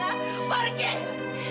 mama nggak mau berdiri lagi